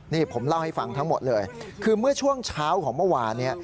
นี่ผมเล่าให้ฟังทั้งหมดเลยคือเมื่อช่วงเช้าของเมื่อวานเนี่ย